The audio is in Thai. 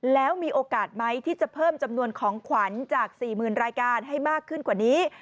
แล้วมีโอกาสไหมที่จะเพิ่มจำนวนของขวัญจาก๔๐๐๐รายการให้มากขึ้นกว่านี้